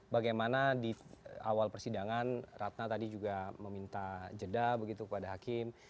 bagaimana di awal persidangan ratna tadi juga meminta jeda begitu kepada hakim